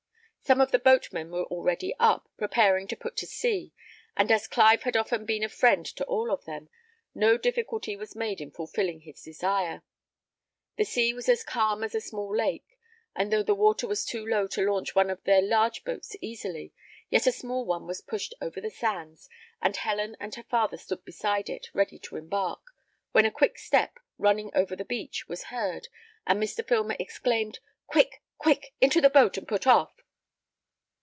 Some of the boatmen were already up, preparing to put to sea; and as Clive had often been a friend to all of them, no difficulty was made in fulfilling his desire. The sea was as calm as a small lake; and though the water was too low to launch one of their large boats easily, yet a small one was pushed over the sands, and Helen and her father stood beside it, ready to embark, when a quick step, running over the beach, was heard, and Mr. Filmer exclaimed, "Quick, quick, into the boat, and put off!"